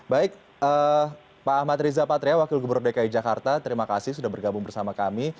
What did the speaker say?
baik pak ahmad riza patria wakil gubernur dki jakarta terima kasih sudah bergabung bersama kami